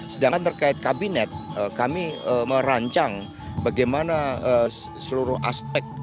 sedangkan terkait kabinet kami merancang bagaimana seluruh aspek